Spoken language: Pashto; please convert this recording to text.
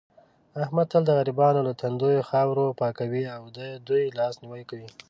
احمد تل د غریبانو له تندیو خاورې پاکوي او دې دوی لاس نیوی کوي.